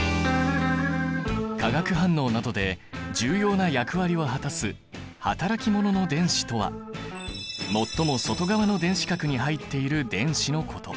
化学反応などで重要な役割を果たす働き者の電子とは最も外側の電子殻に入っている電子のこと。